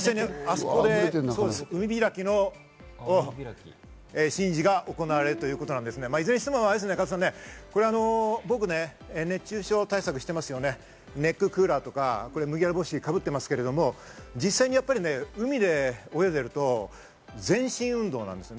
海開きの神事が行われるということですけど、いずれにしても加藤さん、僕ね、熱中症対策してますね、ネッククーラーとか麦わら帽子をかぶってますけど、実際に海で泳いでいると全身運動なんです。